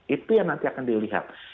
itu yang nanti akan dilihat